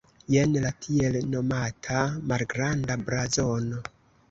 Jen la tiel nomata "malgranda blazono".